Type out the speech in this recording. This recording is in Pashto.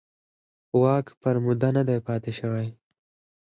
واک پر موده نه پاتې شوي.